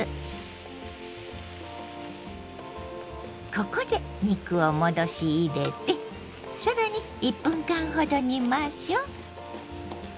ここで肉を戻し入れて更に１分間ほど煮ましょう。